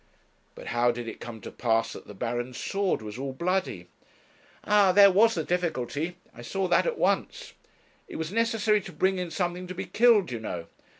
'But how did it come to pass that the Baron's sword was all bloody?' 'Ah, there was the difficulty; I saw that at once. It was necessary to bring in something to be killed, you know.